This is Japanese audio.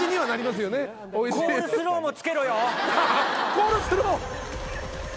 コールスロー！